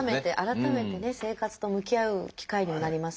改めてね生活と向き合う機会にもなりますね。